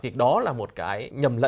thì đó là một cái nhầm lẫn